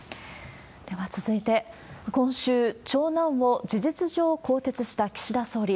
では続いて、今週、長男を事実上更迭した岸田総理。